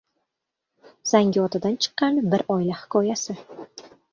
“Zangiota”dan chiqqan bir oila hikoyasi